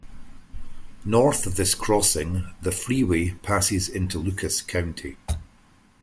North of this crossing, the freeway passes into Lucas County.